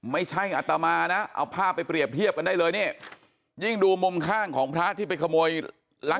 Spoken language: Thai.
ไม่ใช่อัตมานะเอาภาพไปเรียบเทียบกันได้เลยนี่ยิ่งดูมุมข้างของพระที่ไปขโมยลักษ